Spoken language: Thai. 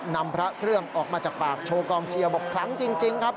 นำพระเครื่องออกมาจากปากโชว์กองเชียร์บอกคลังจริงครับ